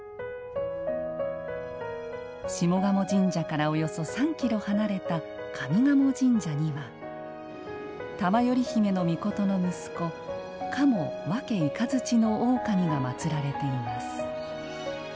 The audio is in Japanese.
下鴨神社からおよそ３キロ離れた上賀茂神社には玉依媛命の息子、賀茂別雷大神がまつられています。